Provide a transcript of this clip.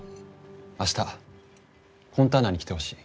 明日フォンターナに来てほしい。